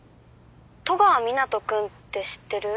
戸川湊斗君って知ってる？